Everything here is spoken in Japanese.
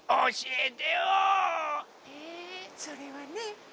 えそれはね